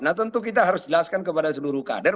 nah tentu kita harus jelaskan kepada seluruh kader